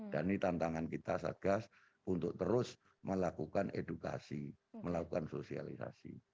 ini tantangan kita satgas untuk terus melakukan edukasi melakukan sosialisasi